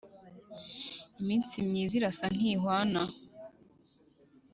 iminsi myiza irasa ntiwana